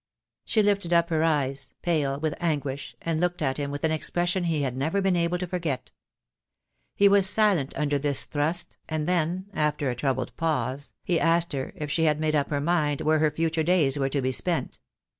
She lifted up her eyes, pale with anguish, and looked at him with an expression he had never been able to forget. He was silent under this thrust, and then, after a troubled pause, he asked her if she had made up her mind where her future days were to be spent.